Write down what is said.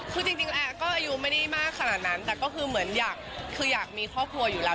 คือจริงแอร์ก็อายุไม่ได้มากขนาดนั้นแต่ก็คือเหมือนอยากคืออยากมีครอบครัวอยู่แล้ว